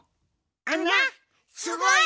あなすごい！